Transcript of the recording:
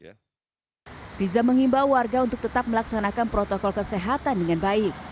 riza mengimbau warga untuk tetap melaksanakan protokol kesehatan dengan baik